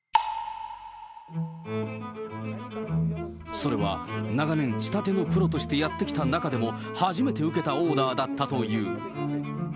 それは、長年、仕立てのプロとしてやってきた中でも、初めて受けたオーダーだったという。